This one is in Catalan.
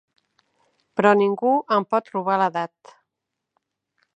Però ningú em pot robar l'edat.